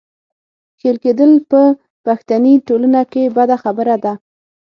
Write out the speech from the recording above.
ښېل کېدل په پښتني ټولنه کې بده خبره ده.